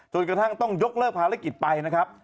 จนกระทั่งต้องยกเลิกภารกิจไปนะครับ